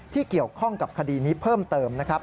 เกี่ยวข้องกับคดีนี้เพิ่มเติมนะครับ